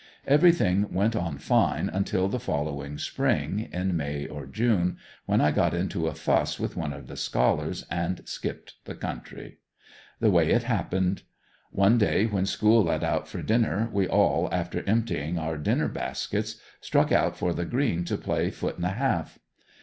Everything went on fine until the following spring, in May or June, when I got into a fuss with one of the scholars and skipped the country. The way it happened: One day when school let out for dinner we all, after emptying our dinner baskets, struck out for the "green" to play "foot and a half."